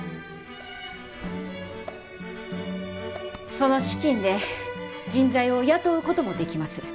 その資金で人材を雇うこともできます。